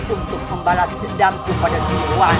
untuk membalas dendamku pada si li wang